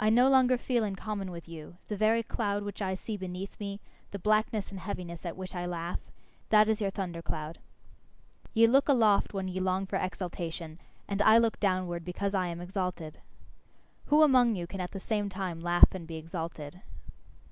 I no longer feel in common with you; the very cloud which I see beneath me, the blackness and heaviness at which I laugh that is your thunder cloud. Ye look aloft when ye long for exaltation; and I look downward because I am exalted. Who among you can at the same time laugh and be exalted?